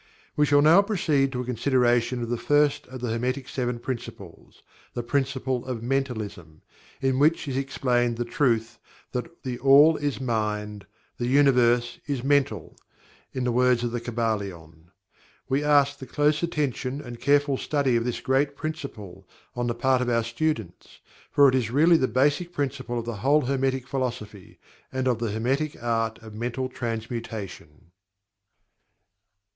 We shall now proceed to a consideration of the first of the Hermetic Seven Principles the Principle of Mentalism, in which is explained the truth that "THE ALL is Mind; the Universe is Mental," in the words of The Kybalion. We ask the close attention, and careful study of this great Principle, on the part of our students, for it is really the Basic Principle of the whole Hermetic Philosophy, and of the Hermetic Art of Mental Transmutation.